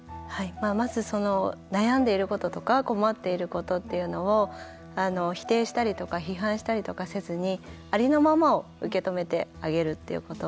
まず、悩んでいることとか困っていることっていうのを否定したりとか批判したりせずにありのままを受け止めてあげるっていうこと。